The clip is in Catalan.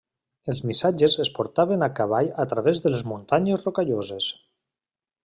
Els missatges es portaven a cavall a través de les Muntanyes Rocalloses.